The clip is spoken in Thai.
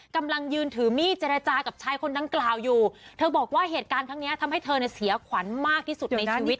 กำลังยืนถือมีดเจรจากับชายคนดังกล่าวอยู่เธอบอกว่าเหตุการณ์ครั้งนี้ทำให้เธอเนี่ยเสียขวัญมากที่สุดในชีวิต